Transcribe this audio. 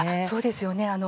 そうですよね。